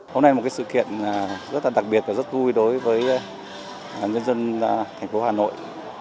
hôm nay là một sự kiện rất là đặc biệt và rất vui đối với nhân dân thành phố hà nội